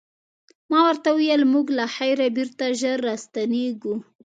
ما ورته وویل موږ له خیره بېرته ژر راستنیږو.